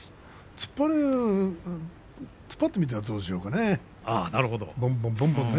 突っ張ってみたらどうでしょうかね